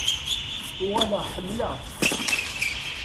Uɣaleɣ ḥemmleɣ-t.